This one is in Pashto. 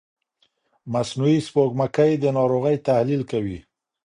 مصنوعي سپوږمکۍ د ناروغۍ تحلیل کوي.